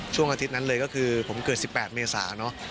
ช่วงอาทิตย์นั้นเลยก็คือผมเกิด๑๘เมษาเนอะ